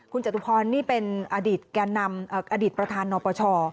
คุณจตุพรนี่เป็นอดีตแก่นำอดีตประธานนปช